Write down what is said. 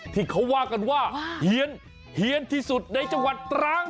ที่เขาว่ากันว่าเฮียนที่สุดในจังหวัดตรัง